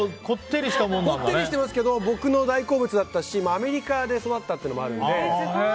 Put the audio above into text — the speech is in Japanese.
こってりしてますけど僕の大好物だったしアメリカで育ったっていうのもあるので。